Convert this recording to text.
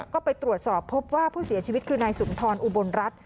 ก็ไปตรวจสอบพบว่าผู้เสียชีวิตคือนายสุนทรอุบลรัฐ